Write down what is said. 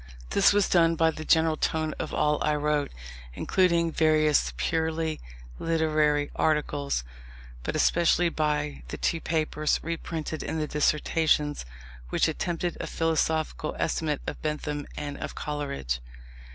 This was done by the general tone of all I wrote, including various purely literary articles, but especially by the two papers (reprinted in the Dissertations) which attempted a philosophical estimate of Bentham and of Coleridge.